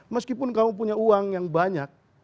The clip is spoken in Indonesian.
meskipun kamu punya uang yang banyak